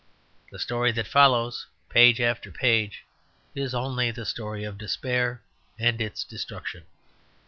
The story that follows, page after page, is only the story of its despair and its destruction.